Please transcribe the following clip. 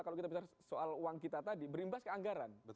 kalau kita bicara soal uang kita tadi berimbas ke anggaran